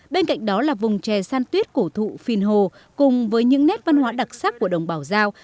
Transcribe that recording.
bên cạnh đó là vùng chè san tuyết cổ thụ phiên hồ cùng với những nét văn hóa đặc sắc của đồng bào giao